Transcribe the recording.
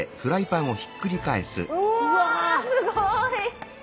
うわすごい！